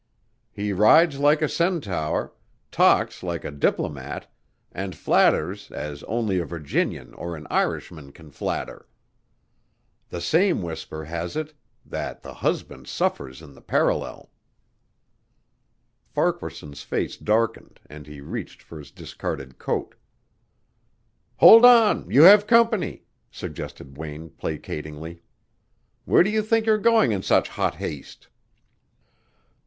He rides like a centaur, talks like a diplomat and flatters as only a Virginian or an Irishman can flatter. The same whisper has it that the husband suffers in the parallel." Farquaharson's face darkened and he reached for his discarded coat. "Hold on; you have company," suggested Wayne placatingly. "Where do you think you're going in such hot haste?"